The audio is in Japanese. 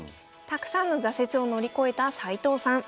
たくさんの挫折を乗り越えた齊藤さん。